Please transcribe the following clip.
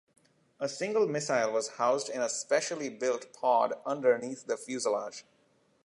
A single missile was housed in a specially built pod underneath the fuselage.